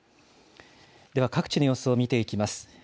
では、各地の様子を見ていきます。